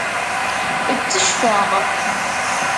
Ttecfeɣ.